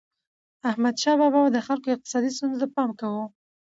احمدشاه بابا به د خلکو اقتصادي ستونزو ته پام کاوه.